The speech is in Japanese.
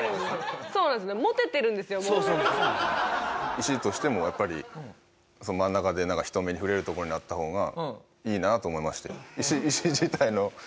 石としてもやっぱり真ん中で人目に触れる所にあった方がいいなと思いまして。